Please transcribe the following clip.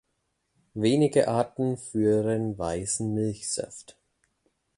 Wenige Arten führen weißen Milchsaft.